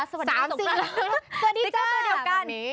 สวัสดีค่ะสงคราน